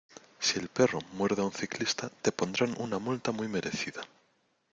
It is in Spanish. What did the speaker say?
Si el perro muerde a un ciclista, te pondrán una multa muy merecida.